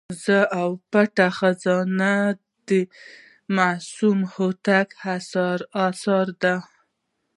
زه او پټه خزانه د معصوم هوتک اثر دی.